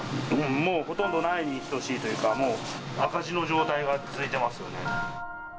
もうほとんどないに等しいというか、もう赤字の状態が続いてますよね。